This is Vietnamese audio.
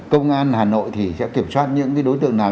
công an hà nội thì sẽ kiểm soát những cái đối tượng nào